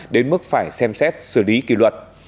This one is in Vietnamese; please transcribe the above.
đến mức phải xem xét xử lý kỷ luật